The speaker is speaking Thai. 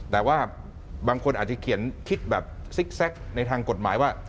แต่ว่าบางคนอาจจะเขียนคิดแบบซิกแซคในทางกฎหมายว่า